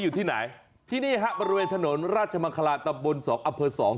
อยู่ที่ไหนที่นี่ฮะบริเวณถนนราชมังคลาตำบลสองอำเภอสอง